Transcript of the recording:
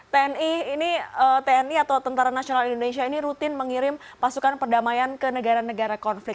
tni ini tni atau tni ini rutin mengirim pasukan perdamaian ke negara negara konflik